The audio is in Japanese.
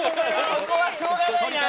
ここはしょうがないな。